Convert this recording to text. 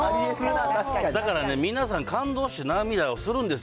だからね、皆さん、感動して涙をするんですよ。